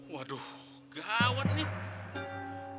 waduh gawat nih